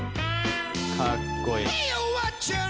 かっこいい。